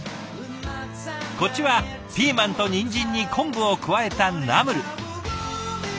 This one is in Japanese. こっちはピーマンとニンジンに昆布を加えたナムル。